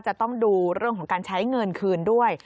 จะต้องดูเรื่องของการใช้เงินคืนด้วย